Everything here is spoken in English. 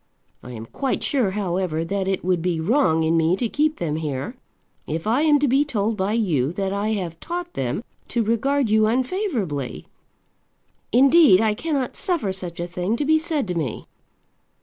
I am quite sure, however, that it would be wrong in me to keep them here, if I am to be told by you that I have taught them to regard you unfavourably. Indeed, I cannot suffer such a thing to be said to me."